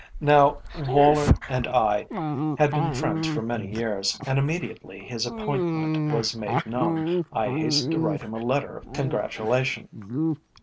Now, Woller and I had been friends for many years, and immediately his appointment was made known, I hastened to write him a letter of congratulation.